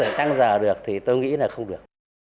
không phải tăng giờ được thì tôi nghĩ là không được